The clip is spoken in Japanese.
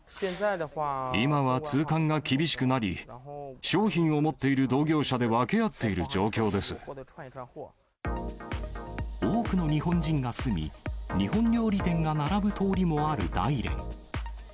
今は通関が厳しくなり、商品を持っている同業者で分け合っている多くの日本人が住み、日本料理店が並ぶ通りもある大連。